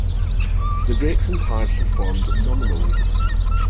The brakes and tires performed nominally.